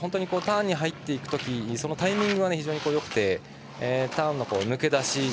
ターンに入っていくときのタイミングが非常によくてターンの抜け出し